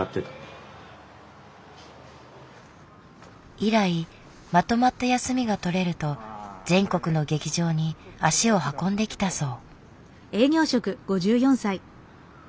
以来まとまった休みが取れると全国の劇場に足を運んできたそう。